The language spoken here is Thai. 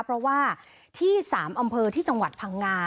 เพราะว่าที่๓อำเภอที่จังหวัดพังงา